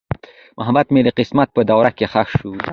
محبت مې د قسمت په دوړو کې ښخ شو.